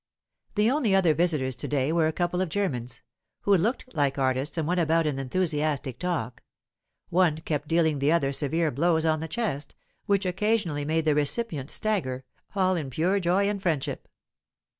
The only other visitors to day were a couple of Germans, who looked like artists and went about in enthusiastic talk; one kept dealing the other severe blows on the chest, which occasionally made the recipient stagger all in pure joy and friendship.